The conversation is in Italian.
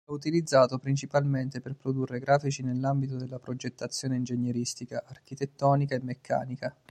È utilizzato principalmente per produrre grafici nell'ambito della progettazione ingegneristica, architettonica e meccanica.